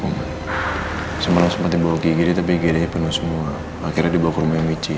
masalah ini juga sangat sangat urgent untuk kami